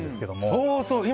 そうそう！